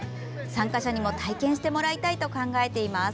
参加者にも体験してもらいたいと考えています。